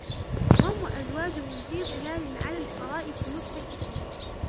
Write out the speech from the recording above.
هم وأزواجهم في ظلال على الأرائك متكئون